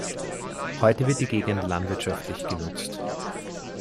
Heute wird die Gegend landwirtschaftlich genutzt.